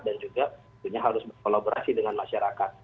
dan juga harus berkolaborasi dengan masyarakat